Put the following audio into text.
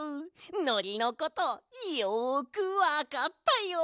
のりのことよくわかったよ。